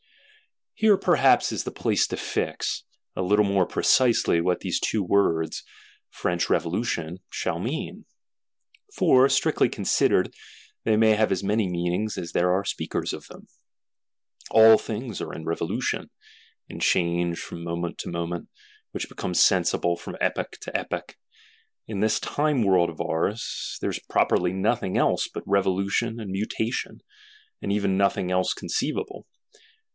Here perhaps is the place to fix, a little more precisely, what these two words, French Revolution, shall mean; for, strictly considered, they may have as many meanings as there are speakers of them. All things are in revolution; in change from moment to moment, which becomes sensible from epoch to epoch: in this Time World of ours there is properly nothing else but revolution and mutation, and even nothing else conceivable.